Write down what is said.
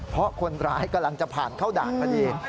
เพราะคนร้ายกำลังจะผ่านเข้าด่านพอดี